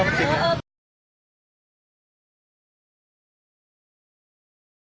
อีกใบหนึ่ง